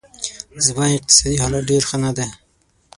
زما اقتصادي حالت ډېر ښه نه دی